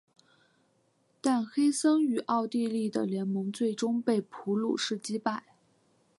但黑森与奥地利的联盟最终被普鲁士击败。